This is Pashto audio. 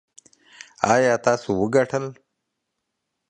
ایا تاسو وګټل؟